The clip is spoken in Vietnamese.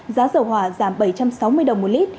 giá dầu hỏa giảm bảy trăm sáu mươi đồng một lít